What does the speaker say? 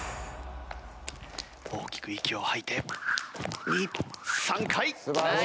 大きく息を吐いて２３回。